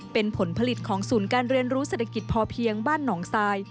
เป็นผลผลิตของศูนย์การเรียนรู้เศรษฐกิจพอเพียงบ้านหนองทราย